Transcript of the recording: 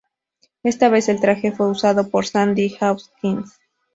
Esta vez, el traje fue usado por Sandy Hawkins.